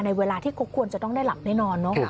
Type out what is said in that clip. ในเวลาที่เขาควรจะต้องได้หลับแน่นอน